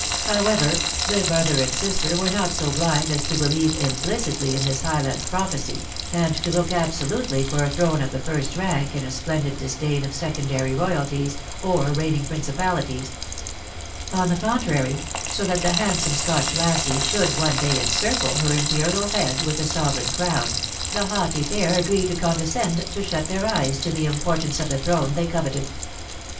However, the brother and sister were not so blind as to believe implicitly in this Highland prophecy, and to look absolutely for a throne of the first rank in a splendid disdain of secondary royalties or reigning principalities; on the contrary, so that the handsome Scotch lassie should one day encircle her imperial forehead with a sovereign crown, the haughty pair agreed to condescend to shut their eyes to the importance of the throne they coveted.